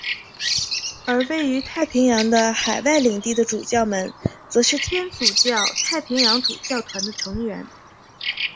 而位于太平洋的海外领地的主教们则是天主教太平洋主教团的成员。